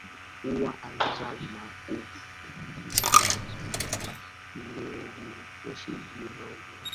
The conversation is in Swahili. huwa hasa na ufanisi katika watumiaji vichochezi na wanywaji